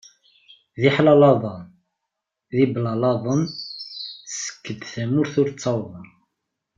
D iḥlalaḍan d iblalaḍen skedd tamurt ur ttawḍen.